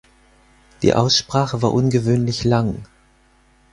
Die Aussprache war ungewöhnlich lang.